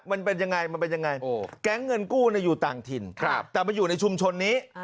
มันเป็นยังไงแก๊งเงินกู้อยู่ต่างทินแต่มันอยู่ในชุมชนนี้